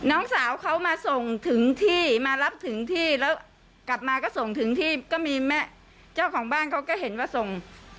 น้องสาวเขามาส่งถึงที่มารับถึงที่แล้วกลับมาก็ส่งถึงที่ก็มีแม่เจ้าของบ้านเขาก็เห็นว่าส่ง